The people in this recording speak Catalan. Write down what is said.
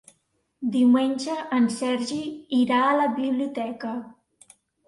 Diumenge en Sergi irà a la biblioteca.